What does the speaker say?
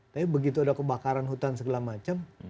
tapi begitu ada kebakaran hutan segala macam